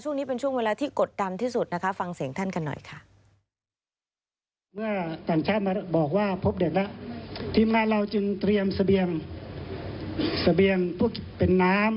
ช่วงนี้เป็นช่วงเวลาที่กดดันที่สุดนะคะฟังเสียงท่านกันหน่อยค่ะ